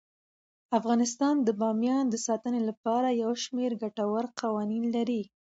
افغانستان د بامیان د ساتنې لپاره یو شمیر ګټور قوانین لري.